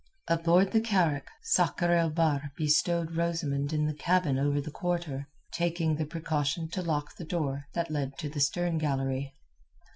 Aboard the carack, Sakr el Bahr bestowed Rosamund in the cabin over the quarter, taking the precaution to lock the door that led to the stern gallery.